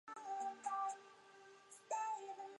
与那原町位于琉球列岛冲绳群岛冲绳岛南部。